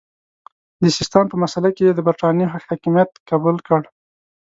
د سیستان په مسئله کې یې د برټانیې حکمیت قبول کړ.